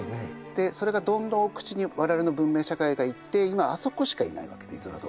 それがどんどん奥地に我々の文明社会が行って今あそこしかいないわけでイゾラド。